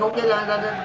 kỳ cục gì trời ơi trời ơi